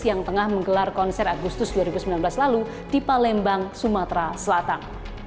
yang tengah menggelar konser agustus dua ribu sembilan belas lalu di palembang sumatera selatan